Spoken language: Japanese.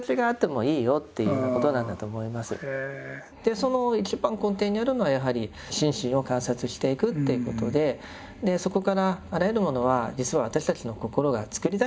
その一番根底にあるのはやはり心身を観察していくっていうことでそこからあらゆるものは実は私たちの心が作り出しているものなんだと。